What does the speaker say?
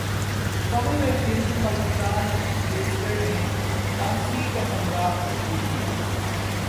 common wealth گیمزپاکستانی wrestler نے کانسی کا تمغہ جیت لیا